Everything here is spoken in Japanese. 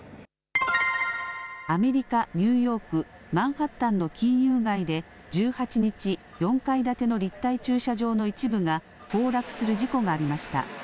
アメリカ・ニューヨーク・マンハッタンの金融街で１８日、４階建ての立体駐車場の一部が崩落する事故がありました。